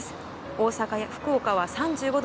大阪や福岡は３５度。